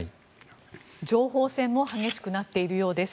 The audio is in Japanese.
情報戦も激しくなっているようです。